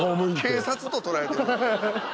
警察と捉えてる？